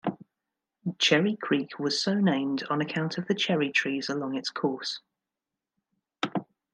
Cherry Creek was so named on account of the cherry trees along its course.